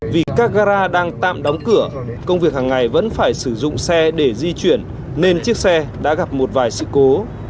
vì các gara đang tạm đóng cửa công việc hàng ngày vẫn phải sử dụng xe để di chuyển nên chiếc xe đã gặp một vài sự cố